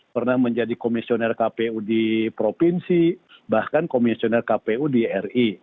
pernah menjadi komisioner kpu di provinsi bahkan komisioner kpu di ri